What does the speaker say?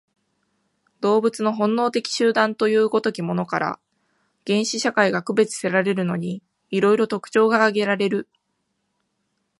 動物の本能的集団という如きものから、原始社会が区別せられるのに、色々特徴が挙げられる。